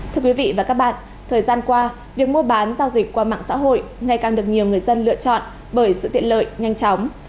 thưa quý vị và các bạn thời gian qua việc mua bán giao dịch qua mạng xã hội ngày càng được nhiều người dân lựa chọn bởi sự tiện lợi nhanh chóng